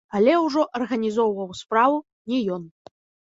Але ўжо арганізоўваў справу не ён.